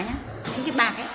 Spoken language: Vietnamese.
những cái bạc ấy